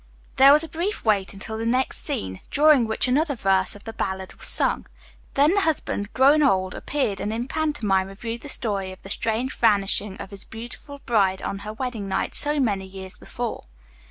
There was a brief wait until the next scene, during which another verse of the ballad was sung. Then the husband, grown old, appeared and in pantomime reviewed the story of the strange vanishing of his beautiful bride on her wedding night so many years before.